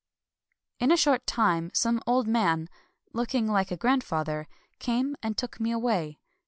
^ In a short time some old man, — looking like a grandfather — came and took me away.